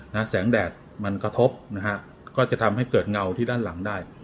แสงแดดมันกระทบนะฮะก็จะทำให้เกิดเงาที่ด้านหลังได้